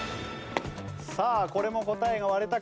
さあこれも答えが割れたか。